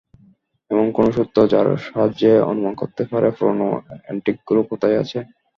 এমন কোনো সূত্র, যার সাহাযে্য অনুমান করতে পারে পুরোনো অ্যান্টিকগুলো কোথায় আছে।